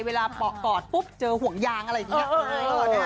เวลาเปาะกอดปุ๊บเจอห่วงยางอะไรอย่างนี้